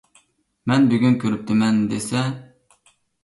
مەن بۈگۈن كۆرۈپتىمەن دېسە.